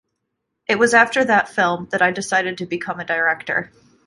It was after that film that I decided to become a director.